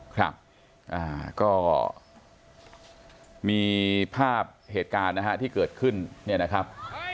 ครับก็มีภาพเหตุการณ์นะฮะที่เกิดขึ้นเนี่ยนะครับ